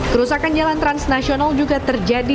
kerusakan jalan transnasional juga terjadi